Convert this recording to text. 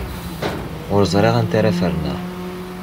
Ur ẓriɣ anta ara ferneɣ.